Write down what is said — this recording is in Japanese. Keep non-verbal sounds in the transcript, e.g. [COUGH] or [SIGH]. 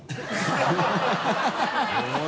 ハハハ [LAUGHS]